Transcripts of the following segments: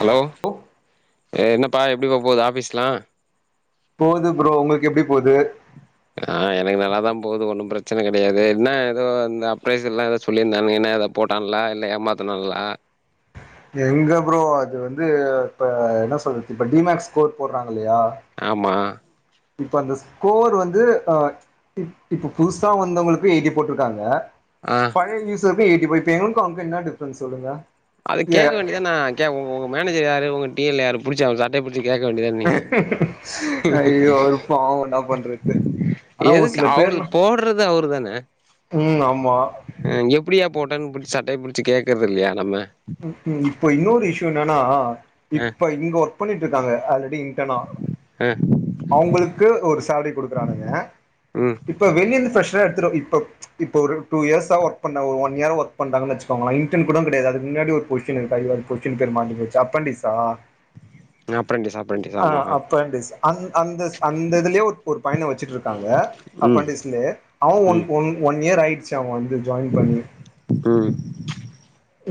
Hello எ என்னப்பா எப்டிப்ப போது ஆஃபிஸ்லா போகுது ப்ரோ உங்களுக்கு எப்டி போது ஆ எனக்கு நல்லாதா போவுது ஒன்னு பிரச்சன கெடையாது என்ன ஏதோ இந்த அப்ரைசர்லா ஏதோ சொல்லிர்ந்தானுங்க இன்னா ஏதோ போட்டான்லா இல்ல ஏமாத்துணல்லா எங்க ப்ரோ அது வந்து இப்ப என்ன சொல்றது இப்ப டிமக்ஸ் ஸ்கோர் போட்றாங்க இல்லையா ஆமா இப்ப அந்த ஸ்கோர் வந்து அ இ இப்ப புதுசா வந்தவங்களுக்கு எயிட்டி போட்ருக்காங்க ஆ பழைய யூஸர்க்கு ஏய்டி ஃபை இப்ப எங்களுக்கு அவுங்களுக்கு இன்ன டிஃப்ரன்ஸ் சொல்லுங்க அத கேக்க வேண்டியதானா கே உங்க மேனஜர் யாரு உங்க டி எல் யாரு புடிச்ச அவுரு சட்டய புடிச்ச கேக்க வேண்டியதான நீங்க ஐய்யோ அவரு பாவ இன்ன பண்றது ஆனா ஒரு எதுக்கு சில அவருது பேர்லா போட்றது அவரு தான ம் ஆமா ம் எப்புடியா போட்டேன் புடிச்சு சட்டய புடிச்சு கேக்கற்தில்லையா நம்ம இப்ப இன்னொரு இசு என்னனா ஆ இப்ப இங்க ஒர்க் பண்ணிட்ருக்காங்க ஆல்ரெடி இன்டர்னா ஆ அவுங்களுக்கு ஒரு சேலரி குடுக்குறானுங்க ம் இப்ப வெளியந்து ஃபிரஷரா எத்துரு இப்ப இப்ப ஒரு டு இயர்சா ஒர்க் பண்ண ஒரு ஒன் இயர் ஒர்க் பண்றாங்கன் வச்சுங்களே இன்டர்ன் கூட கெடையாது அதுக் முன்னாடி ஒரு கொஸ்டின் இருக்கு அய்யோ அந்த கொஸ்டின் பேரு மறந்து போச்சு அப்ரண்டீஸ்சா ன்ன அப்ரண்டீஸ்சா ஆ அப்ரண்டீஸ் அந் அந்த அந்த இதுலயு ஒரு ஒரு பையன வச்சுட்ருக்காங்க ம் அப்ரண்டீஸ்லேயே அவன் ம் ஒன் ஒன் இயர் ஆயிடுச்சு அவன் வந்து ஜாயின் பண்ணி ம்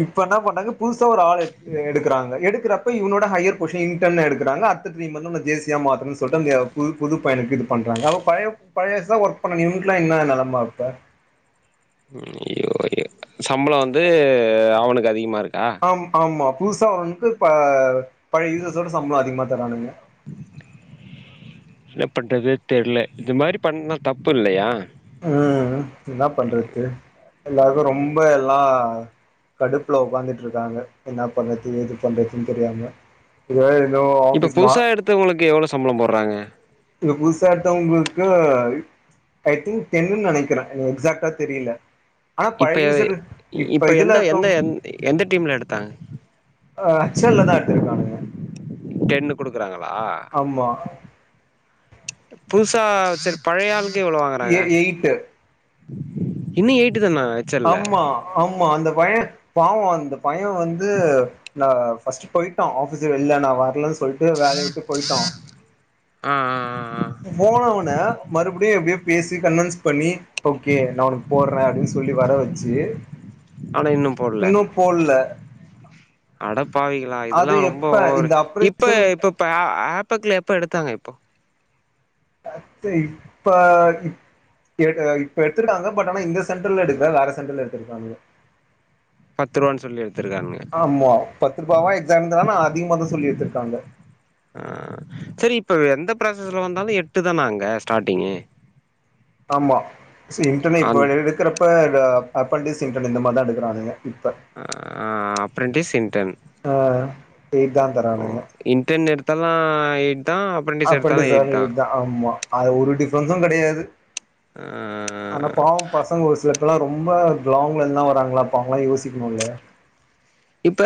இப்ப என்ன பண்றாங்க புதுசா ஒரு ஆள் எ எடுக்கறாங்க எடுக்குறப் இப்ப இவனோட ஹையர் பொசிஷன் இன்டர்ன் எடுக்குறங்க அடுத்த த்ரீ மந்து உன்ன ஜேசியா மாத்தன்னு சொல்ட்டு அந்த புது புது பையனுக்கு இது பண்றாங்க அப்ப பழைய பழையசா ஒர்க் பண்ண நியூனிட்லா இன்ன நெலமா இர்க்கு சம்பளம் வந்து அவனுக்கு அதிகமா இருக்கா ஆம் ஆமா புதுசா வந்து இப்ப பழைய யூசர்ஸோட சம்பளோ அதிகமா தரானுங்க என்ன பண்றது தெர்ல இது மாரி பண்ணா தப்பு இல்லையா ம் என்ன பண்றது எல்லாருக்கு ம் ரொம்ப எல்லா கடுப்ல உக்காந்துட் இருக்காங்க என்ன பண்றது ஏது பண்றதுன் தெரியாம ஏ இன்னு இப்ப புதுசா எடுத்தவங்களுக்கு எவ்ளோ சம்பளம் போட்றாங்க இங்க புதுசா எடுத்தவங்களுக்கு ஐ திங்க் டென்னுன்னு நெனைக்கிறே எக்ஸாக்டா தெரியில ஆனா இப்ப பழைய யூசர் இப்ப இதுல்ல எந்த எந்த இருக்குறவுங்களு எந் எந்த டீம்ல எடுத்தாங்க அ ஹச் எல்லதா எடுத்துருக்கானுங்க டென்னு குடுக்குறாங்களா ஆமா புதுசா சேரி பழைய ஆளுக்கு இவ்ளோ வாங்குறாங்க எ எயிட்டு இன்னு எய்ட்டு தானா வெச்சர்ல ஆமா ஆமா அந்த பையே பாவோ அந்த பையே வந்து நா பர்ஸ்ட்டு பொயிட்டா ஆபிஸ் வெள்ல நா வர்லன் சொல்ட்டு ட்டு வேலைய விட்டு பொயிட்டா ஆ ஆ ஆ ஆ போனவன மறுபடியு எப்டியோ பேசி கன்வின்ஸ் பண்ணி இப்ப யே நா உனக்கு போட்றே அப்டின் சொல்லி வர வச்சு இன்னு போட்ல அடப் பாவிங்களா அது இதெல்லா ரொம்ப எப்ப ஓவரு இந்த இப்ப அப்ரைசல் இப்பப்ப ஆப்பக்குல எப்ப எடுத்தாங்க இப்போ அட்த்து இப்ப இப் இப்ப எடுத்துருக்காங்க பட் ஆனா இந்த சென்டர்ல எடுக்ல வேற சென்டர்ல எடுத்துருக்காங்க பத்து ரூவான்னு சொல்லி எடுத்திருக்கானுங்க ஆமா பத்து ரூபாவா எக்ஸா இருந்தான அதிகமாதா சொல்லி எட்த்துருக்காங்க ஆ செரி இப்ப எந்த ப்ராசஸ்ல வந்தாலு எட்டு தானா அங்க ஸ்டார்டிங்கு ஆமா சி இன்டர்னே இப்ப அந் எ எடுக்குறப் இப்ப அப்ரண்டீஸ் இன்டன் இந்த மாதிரி தா எடுக்குறானுங்க இப்ப இ அப்ரண்டீஸ் இன்டர்ன் ஆ எய்ட்தான் ஓ தரானுங்க இன்டர்ன் எடுத்தாலு எய்ட்தா அப் அப்ரன்டிசா இருந்தாலு இதுதா ஆமா அது ஒரு டிஃப்ரென்ஸு கெடையாது ஆ ஆனா பாவோ பசங்க ஒரு சில இப்பெல்லா ரொம்ப லாங்ல இருந்துலா வராங்களா அப்ப அவுங்களா யோசிக்கணுல்ல இப்ப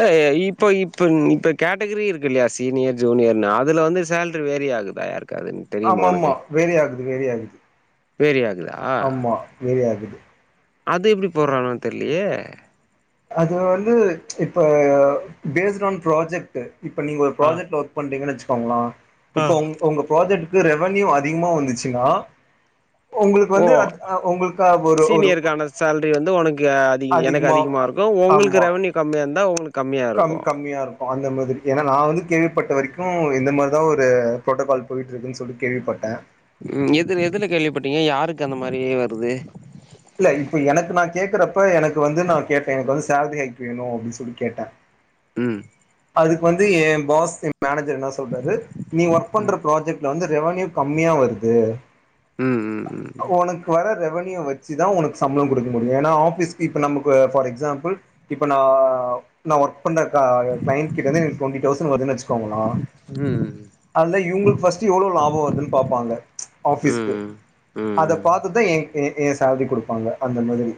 இப்போ இப்ப இப்ப கேட்டகிரி இருக்கு இல்லையா சீனியர் ஜூனியர்னு அதுல வந்து சேல்ரி வேரி ஆகுது தயா இருக்காரு ஆமாம்மா வேரி ஆகுது வேரி ஆகுது வேறியாகுதா ஆமா வேரியாகுது அது எப்டி போட்றாலோன் தெர்லியே அது வந்து இப்ப பேஸ்டு ஆன் ப்ராஜெக்ட்டு இப்ப நீங்க ஒரு ஆ ப்ராஜெக்ட்ல ஒர்க் க் பண்றீங்கன்னு வச்சுக்கோங்ளா ஆ இப்ப உ உங்க ப்ராஜெக்ட்க்கு ரெவன்யூ அதிகமா வந்துச்சுன்னா உங்களுக்கு ஓ வந்து அது ஆ உங்களுக்கா அ ஒரு ஒரு சீனியருக்கான சேல்ரி வந்து உனக்கு அதிக எனக்கு அதிகமா அதிகமாக இருக்கு உங்குளுக்கு ஆமா ரெவன்யூ கம்மியா இருந்தா உங்குளுக்கு கம் கம்மியாருக் அந்த மாதிரி ஏனா நா வந்து கேள்விப்பட்ட வரைக்கு இந்த மாரி தா ஒரு ப்ரோட்டோக்கால் போயிட்டு இருக்குன் சொல்லி கேள்விப்பட்டே ம் எது எதுல கேள்விப்பட்டீங்க யாருக்கு அந்த மாரி வருது இல்ல இப்ப எனக்கு நா கேக்குறப்ப எனக்கு வந்து நா கேட்டே எனக்கு வந்து சேல்ரி ஹைக் வேணு அப்டின் சொல்லி கேட்டே ம் அதுக்கு வந்து ஏ பாஸ் ஏ மேனேஜர் என்ன சொல்றாரு நீ ஒர்க் பண்ற ப்ராஜெக்ட்ல வந்து ரெவன்யூ கம்மியா வருது ம் ம் ம் உனக்கு வர ரெவன்யூ வச்சு தா உனக்கு சம்பளோ குடுக்க முடியு ஏனா ஆஃபிஸ்க்கு இப்ப நமக்கு ஃபார் எக்ஸாம்புள் இப்ப நா நா ஒர்க் பண்ற க கிளைண்ட் கிட்டந்து எனக்கு டுவெண்டி தௌசண்ட் வருதுன் வச்சிக்கோங்ளா ம் அதுல இவுங்குளுக்கு ஃபஸ்ட் எவ்ளோ லாபோ வருதுனு பாப்பாங்க ஆஃபீஸ்க்கு ம் அத ம் பாத்துதா ஏ ஏ சேல்ரி குடுப்பாங்க அந்த மாதிரி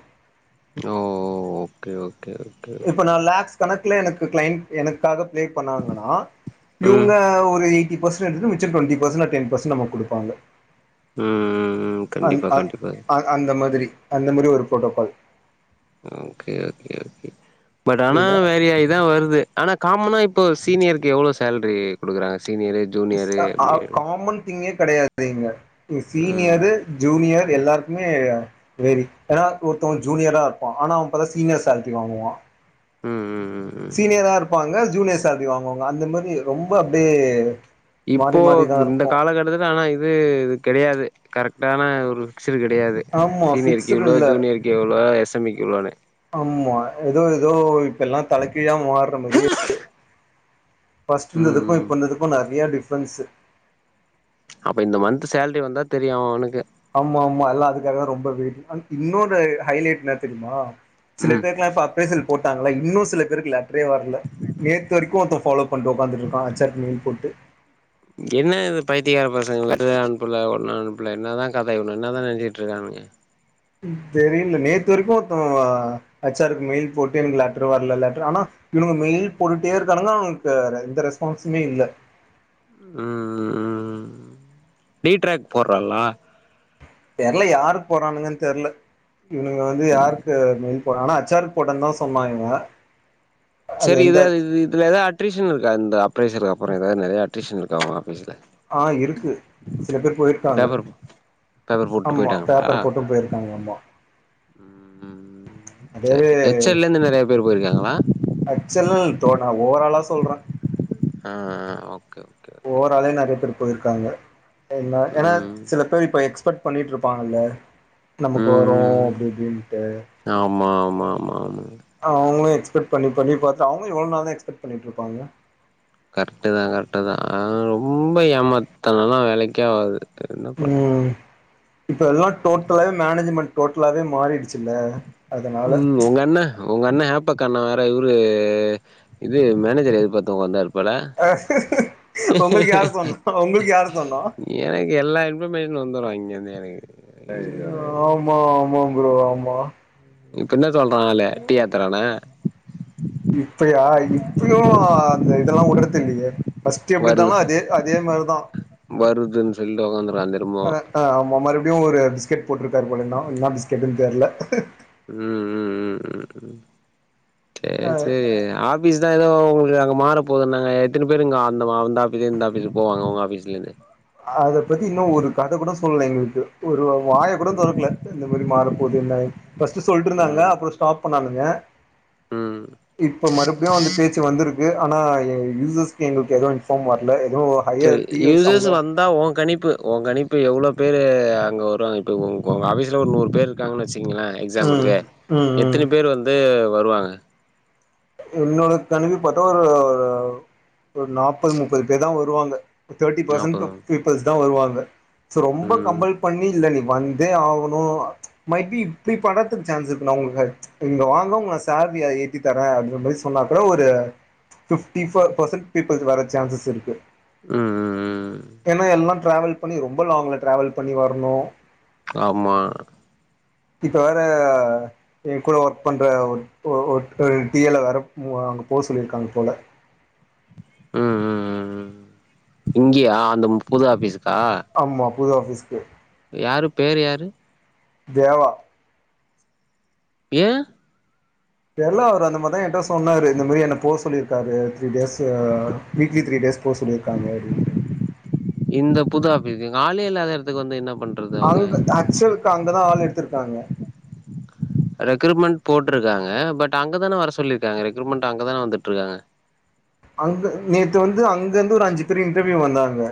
ஓ ஓ ஓகே ஓகே ஓகே இப்ப நா லேக்ஸ் கணக்குல எனக்கு கிளைண்ட் எனக்காக பிளே பண்ணாங்கன்னா ம் இவுங்க ஒரு எயி ட்டி பர்ஸ்சன்ட் எடுத்து மிச்ச twenty percent or ten percent நம்ளுக்கு குடுப்பாங்க ம் ம் ம் ம் அந் கண்டிப்பா அ கண்டிப்பா அ அந்த மாதிரி அந்த மாதிரி ஒரு protocol okay okay okay but ஆனா இத வேரியாயி தா வருது ஆனா காமனா இப்ப சீனியருக்கு எவ்ளோ சேலரி குடுக்குறாங்க சீனியரு ஜூனியரு ஆ ஆ அப்டி காமன் திங்கே கெடையாது இங்க ம் சீனியரு ஜூனியர் எல்லாருக்குமே வேரி ஏனா ஒருத்தவே ஜூனியரா இருப்பா ஆனா அவே பாத்தா சீனியர் சேலரி வாங்குவா ம் ம் ம் ம் சீனியராருப்பாங்க ஜூனியர் சேலரி வாங்குவாங்க அந்த மாரி ரொம்ப அப்டே இப்போ இந்த காலகட்டத்துல ஆனா இது கெடையாது கரெக்டான ஒரு ஃபிக்சுடு கெடையாது ஆமா சீனியர்க்கு ஃபிக்ஸ்டு இவ்ளோ இல்ல ஜூனியர்க்கு எவ்ளோ எஸ் எம் மி க்கு இவ்ளோனு ஆமா எதோ எதோ இப்பெல்லா தலைக்கீழா மார்ற மாரியே ம் ஃபர்ஸ்ட்டுந்ததுக்கு ம் இப்போ இந்ததுக்கு நெறைய டிஃப்ரென்ஸு அப்ப இந்த மன்த்து சேலரி வந்தா தெரியு அவ அவனுக்கு ஆமா ஆமா எல்லா அதுக்காகதா ரொம்ப வெய்ட்டிங் அ இன்னொரு ஹைலைட் என்ன தெரிமா சில ம் பேருக்குலா இப்ப அப்ரைசல் போட்டாங்கள இன்னு சில பேருக்கு லேட்ரே வர்ல நேத்து வரைக்கு ஒருத்த ஃபாலோ பண்ட்டு ஒக்காந்துட்ருக்கா அச் ஆர்க்கு மெயில் போட்டு என்ன இது பைத்தியகார பசங்க லெட்டர்யு அனுப்புல ஒன்னு அனுப்புல என்ன தா கத இவங்க என்னதா நெனச்சிட்டு இருக்கானுங்க தெரில நேத்து வரைக்கு ஒருத்தவே எச் ஆர் ருக்கு மெயில் போட்டு எனக்கு லெட்ரு வர்ல லெட்ரு ஆனா இவுனுங்க மெயில் போட்டுட்டே இருக்கானுங்கா அவுங்கக்கு எந்த ரெஸ்பான்ஸுமே இல்ல ம் ம் ம் டிட்ராக் போடுறாலா தெர்ல யாரு போறாங்கன்னு தெர்ல இவனுங்க வந்து யாருக்கு மெயில் ஒரு ஆனா அச்ஆர் க்கு போட்டேனு தா சொன்னா இவுங்க சேரி இது இதுல ஏதா அட்ரிஷன் இருக்கா இந்த அப்ரைசலுக்கு அப்புறோ ஏதா நெறைய அட்ரிஷன் இருக்கா ஓ ஆஃபீஸ்ல ஆ இருக்கு சில பேர் போயிருக்காங்க பேப்பர் பேப்பர் போட்டு ஆமா போயிட்டாங்களா பேப்பர் போட்டு போயிருக்காங்க ஆமா ம் சேரி அதேவே சே எச்எல்ல இருந்து நெறைய பேர் போயிருக்காங்களா ஹச்எல் நா தோ ஓரலா சொல்றே ஆ ஆ ஓகே ஓகே ஓகே ஓராலே ஓகே நெறைய பேர் போயிருக்காங்க [unintelligible] ஏனா ம் சில பேர் இப்ப எக்ஸ்பர்ட் பண்ணட்டு இருப்பாங்கல்ல நமக்கு வரு ம் ம் அப்டி இப்டின்ட்டு ஆமா ஆமா ஆமா ஆமா அவுங்களும் எக்ஸ்பெக்ட் பண்ணி பண்ணி பாத்து அவுங்களு எவ்ளோ தா எக்ஸ்பெக்ட் பண்ணிட்ருப்பாங்க கரெக்டு தா கரெக்டு தா ரொம்ப ஏமாத்தனல்லா வேலைக்கே ஆவாது என்ன பண்ற ம் இப்ப எல்லா டோட்டலாவே மேனேஜ்மெண்ட் டோட்டலாவே மாறிடுச்சுல்ல அதனால ம் ஒங்க அண்ண உங்க அண்ணன் ஹாப்பக் அண்ணே வேற இவரு இது மேனேஜர் எதிர்பாத்த ஒக்காந்தாரு அ உங்களுக்கு யார் சொன் உங்களுக்கு யாரு சொன்னா எனக்கு எல்லா இன்ஃபர்மேஷனு வந்துரு இங்க இருந்து எனக்கு ஐயோ ஆமா ஆமா ப்ரோ ஆமா இப்ப என்ன சொல்றா ஆளு டீ ஆத்துறானா இப்பையா இப்பயு அந்த இதெல்லா உட்றது இல்லையே ஃபர்ஸ்ட்டு எப்படி வருது இருந்தானோ அதே அதே மாரி தா வருதுன்னு சொல்லிட்டு உக்காந்துருக்கா ஆ திரும்பவு அ ஆமா மறுபடியு ஒரு பிஸ்கெட் போட்ருக்காரு போல இன்னோ என்னா பிஸ்கெட்டுன்னு தெர்ல ம் ம் ம் ம் சேர் சேரி ஆ ஃபீஸ் தான் ஏதோ உங்களுக்கு அங்க மாற போது நாங்க எத்தன பேரு இங்க அந்த அந்த ஆஃபீஸு இந்த ஆஃபீஸு போவங்க ஆஃபீஸ்ல இருந்து அத பத்தி இன்னு ஒரு கத கூட சொல்லல எங்களுக்கு ஒரு வாய கூட தொறக்கல இந்த மாதிரி மாற போதுனை ஃபஸ்ட்டு சொல்லிட்டு இருந்தாங்க ம் அப்புற ஸ்டாப் பண்ணானுங்க ம் இப்ப மறுபடியு அந்த பேச்சு வந்துருக் கு ஆனா எ யூசர்ஸ்கு எங்களுக்கு எதுவும் இன்ஃபார்ம் வரல எதுவு ஹையர் சேரி டீ எஸ் யூசர்ஸ் அவங்க வந்தா ஒ கணிப்பு ஒ கனிப்பு எவ்ளோ பேரு அங்க வருவாங்க இப்ப உ உங்க ஆஃபீஸ்ல ஒரு நூறு பேர் இருக்காங்கன்னு வச்சுங்களே ம் எக்ஸாம்பிளுக்கு ம் ம் எத்தன பேர் வந்து வருவாங்க என்னோட கனிப்பு பாத்தா ஒரு ஒரு நாப்பது முப்பது பேர் தா வருவாங்க தேர்ட்டி பெர்ஸன்ட் நாப்பதா பீப்பில்ஸ் தாசோ வருவாங்க ரொம்ப ம் கம்பல் பண்ணி இல்ல நீ வந் தே ஆகணு மைட்பி இப்டி பண்றத்துக்கு சான்ஸ் இருக்கு நா உங்களுக்கு இங்க வாங்க உங்க சேலரிய ஏத்தி தரே [unintelligible] சொன்னா ஒரு பிஃப்டி ஃபோர் பெர்சன்ட் பீப்பிள் வர சான்சஸ் இருக்கு ம் ம் ம் ஏனா எல்லா ட்ராவல் பண்ணி ரொம்ப லாங்ல ட்ராவல் பண்ணி வரணு ஆமா இப்ப வேற என் கூட ஒர்க் பண்ற ஒ ஒ ஒருத்தர் டிஎல்லா வேற போ அங்க போ சொல்லி இருக்காங்க போல ம் ம் ம் ம் இங்கயா அந்த புது ஆஃபீஸ்கா ஆமா புது ஆஃபிஸ்கு யாரு பேரு யாரு தேவா ஏ தெர்ல அவர் அந்த மாரிதா என்ட சொன்னாரு இந்த மாரி என்ன போ சொல்லிருக்காரு த்ரீ டேஸு வீக்லி த்ரீடேஸ் போ சொல்லிருக்காங்க அப்டின்ட்டு இந்த புது ஆஃபிஸ் ஆளே இல்லாத எடத்துக்கு வந்து என்ன பண்றது அவங்க அங்க ஆக்சுவலுக்கு அங்க தா ஆள் எடுத்துருக்காங்க ரெக்ரூட்மெண்ட் போட்டுருக்காங்கா பட் அங்கதான வர சொல்லிருக்காங்க ரெக்ரூட்மெண்ட் அங்கதான வந்துட்ருக்காங்க அங்க நேத்து வந்து அங்க இருந்து ஒரு அஞ்சு பேர் இன்டர்வியூ வந்தாங்க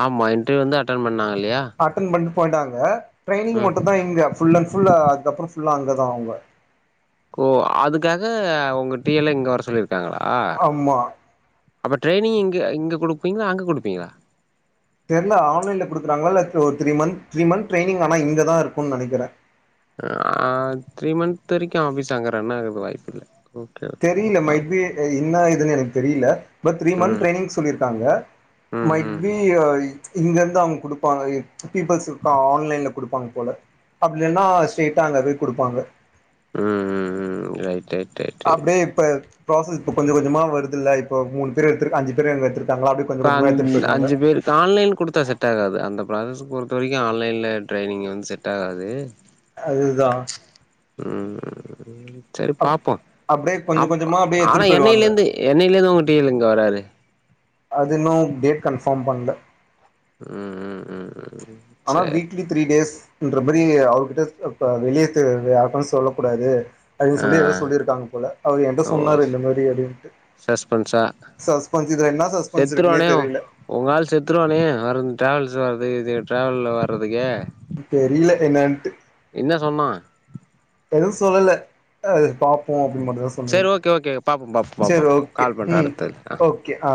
ஆமா இன்டர்வியூ வந்து அட்டன் பண்ணாங்க இல்லையா அட்டன் பண்ட்டு போய்ட்டாங்க ட்ரைனிங் ம் மட்டு தா இங்க ஃபுல் அண்ட் ஃபுல்லா அதுக்கப்றோ ஃபுல்லா அங்க தா அவுங்க ஓ அதுக்காக உங்க டீ எல் ல இங்க வர சொல்லியிருக்காங்களா ஆமா அப்ப ட்ரைனிங் இங்க இங்க குடுப்பீங்களா அங்க குடுப்பீங்களா தெர்ல ஆன்லைன்ல குடுக்குறாங்களா இல்ல ஒரு three month three month training ஆனா இங்க தா இருக்குன்னு நனைக்கிற. ஆ த்ரீ மந்த் வரைக்கு ஆஃபீஸ் அங்க ரன்னாக்குறது வாய்ப்பு இல்ல ஓகே ஓகே தெரில பா மைபி என்ன இதுன்னு எனக்கு தெரில பட் த்ரீ மந்த் ம் ட்ரைனிங் சொல்லியிருக்காங்க ம் ம் மைபி ம் இங்க இருந்து அவங்க குடுப்பாங்க பீப்புள்ஸ் ஆன்லைன்ல குடுப்பாங்க போல அப்டில்லனா ஸ்டைட்டா அங்க போய் கொடுப்பாங்க ம் ம் ம் ரைட் ரைட் ரைட் ரைட் அப்டே இப்ப ப்ராசஸ் இப்ப கொஞ்ச கொஞ்சமா வருது இல்ல இப்போ மூணு பேர் எத்துற்க்கு அஞ்சு பேர் எடுத்துருக்காங்களா அப்டே இப்ப அஞ் அஞ்சு பேரு ஆன்லைன் குடுத்தா செட் ஆகாது அந்த ப்ராசஸ்க்கு பொருத்த வரைக்கு ஆன்லைன்ல ட்ரைனிங் வந்து செட் ஆகாது அதுதா ம் சேரி பாப்போ அப்டியே கொஞ்ச அப் கொஞ்சமா அப்டியே ஆனா எடுத்துட்டு என்னைல போயிடுவாங்க இருந்து என்னைலேருந்து உங்க டீ எல் இங்க வராரு அது இன்னு டேட் கன்ஃபார்ம் பண்ல ம் ம் ம் ம் ஆனா சரி வீக்லி த்ரீ டேஸ்ன்ற மாரி அவர்கிட்ட இப்ப வெளிய யாருக்கு சொல்லக் கூடாது அதுன்னு சொல்லி ஆ எதோ சொல்லிருக்காங்க போல அவர் என்ட்ட ஓ சொன்னார் இந்த மாரி அப்டின்ட்டு சஸ்பென்ஸா சஸ்பென்ஸ் இதுல என்ன சஸ்பென்ஸ் இருக்குன்னே செத்துருவானே தெரில உங்க ஆள் செத்துருவானே வரது ட்ராவல்ஸ் வரது இது ட்ராவல்ல வறதுக்கே தெரில என்னன்ட்டு சொன்னா எதுவு சொல்லல அது பாப்போ அப்டின் மட்டுதா சேரி ஓகே ஓகே பாப்போ பாப்போ பாப்போ கால் பண்ற ம் அடுத்தது ஆ ஓகே ஆ